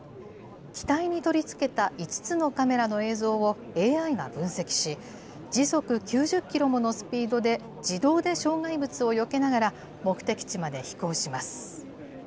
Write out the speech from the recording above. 機体に取り付けた５つのカメラの映像をＡＩが分析し、時速９０キロものスピードで、自動で障害物をよけながら、目的地まで飛行します。